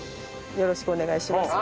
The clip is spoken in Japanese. よろしくお願いします。